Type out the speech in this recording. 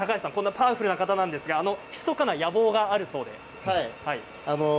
パワフルな方ですがひそかな野望があるそうで。